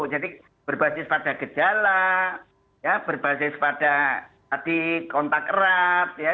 jadi berbasis pada gejala ya berbasis pada tadi kontak erat ya